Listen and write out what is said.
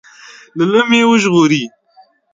له لومې وژغوري.